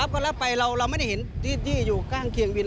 พอรับไปเราไม่ได้เห็นที่อยู่ข้างเคียงวิน